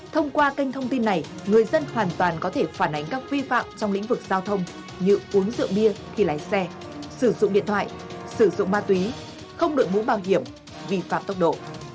thông qua kênh thông tin này người dân hoàn toàn có thể phản ánh các vi phạm trong lĩnh vực giao thông như uống rượu bia khi lái xe sử dụng điện thoại sử dụng ma túy không đội mũ bảo hiểm vi phạm tốc độ